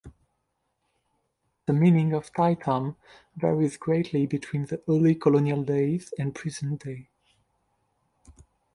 The meaning of Tai Tam varies greatly between the early colonial days and present-day.